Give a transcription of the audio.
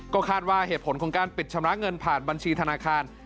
ก็คาดว่าเหตุผลของการปิดชำระเงินผ่านบัญชีธนาคาร